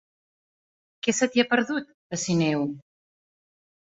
Què se t'hi ha perdut, a Sineu?